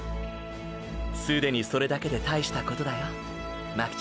すでにそれだけで大したことだよ巻ちゃん。